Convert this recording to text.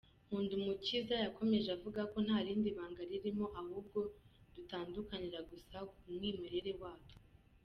Nkundumukiza yakomeje avuga ko nta rindi banga ririmo, ahubwo dutandukanira gusa ku mwimerere watwo.